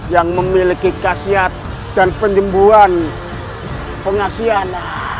yang memiliki khasiat dan penyembuhan pengasian